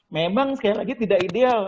memang sekali lagi tidak ideal